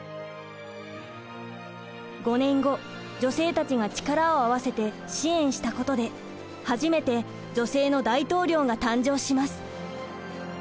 ５年後女性たちが力を合わせて支援したことで初めて女性の大統領が誕生します。